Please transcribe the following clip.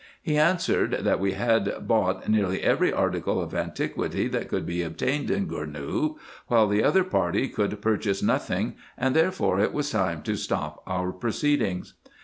He answered, that we had bought nearly every article of antiquity that could be obtained in Gournou, while the other party could pur chase nothing, and therefore it was time to stop our proceedings.